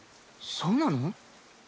そうなの？